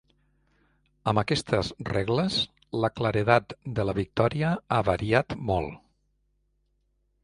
Amb aquestes regles, la claredat de la victòria ha variat molt.